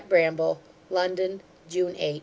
BRAMBLE LONDON, June 8.